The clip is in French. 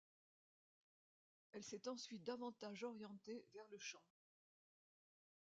Elle s'est ensuite davantage orientée vers le chant.